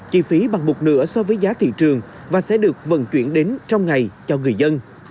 chi phí bằng một nửa so với giá thị trường và sẽ được vận chuyển đến trong ngày cho người dân